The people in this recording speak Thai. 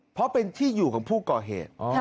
เพราะเป็นที่อยู่ของผู้ก่อเหตุ